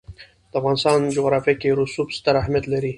د افغانستان جغرافیه کې رسوب ستر اهمیت لري.